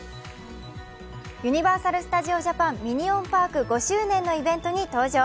ユニバーサル・スタジオ・ジャパン、ミニオンパーク５周年のイベントに登場。